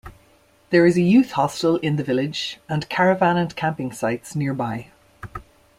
There is a youth hostel in the village and caravan and camping sites nearby.